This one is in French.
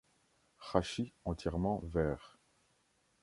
Rachis entièrement vert.